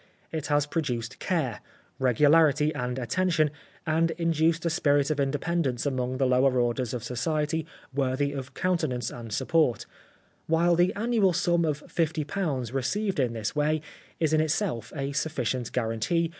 It has produced care, regularity and attention, and in duced a spirit of independence among the lower orders of society worthy of countenance and support, while the annual sum of £50 received in this way is in itself a sufficient guarantee.